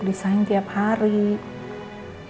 di sayang harus dipeluk